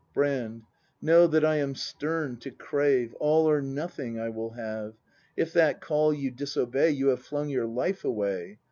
Brand. Know, that I am stern to crave. All or Nothing I will have; If that call you disobey. You have flung your life away.